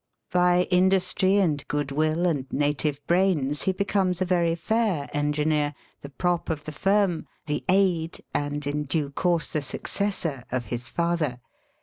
By industry and good will and native brains he becomes a very fair en gineer, the prop of the firm, the aid, and in due course the successor, of his father.